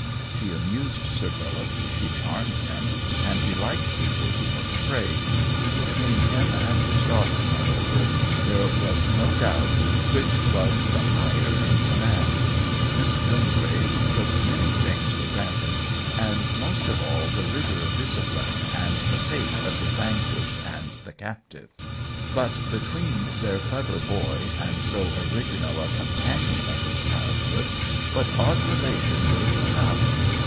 She amused Sir Philip, she charmed him, and he liked people who weren't afraid ; be tween him and his daughter, moreover, there was no doubt which was the higher in com mand. Miss Wingrave took many things 200 OWEN WINGRAVE for granted, and most of all the rigor of discipline and the fate of the vanquished and the captive. But between their clever boy and so orig inal a companion of his childhood what odd relation would have grown up